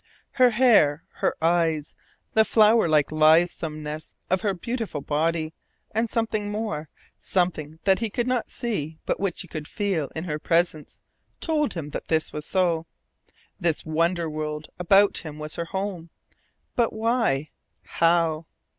Her hair, her eyes, the flowerlike lithesomeness of her beautiful body and something more, something that he could not see but which he could FEEL in her presence, told him that this was so. This wonder world about him was her home. But why how?